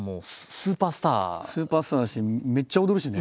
スーパースターだしめっちゃ踊るしね。